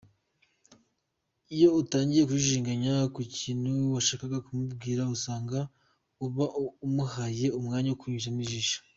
Iyo utangiye kujijinganya ku kintu washakaga kumubwira, usanga uba umuhaye umwanya wo kukunyuzamo ijisho.